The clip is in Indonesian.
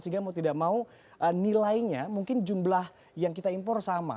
sehingga mau tidak mau nilainya mungkin jumlah yang kita impor sama